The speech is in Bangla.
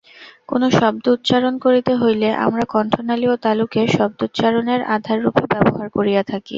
কোন শব্দ উচ্চারণ করিতে হইলে আমরা কণ্ঠনালী ও তালুকে শব্দোচ্চারণের আধাররূপে ব্যবহার করিয়া থাকি।